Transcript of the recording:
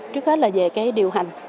trước hết là về cái điều hành